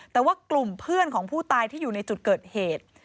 แต่ว่ากลุ่มเพื่อนของผู้ตายที่อยู่ในจุดเกิดเหตุ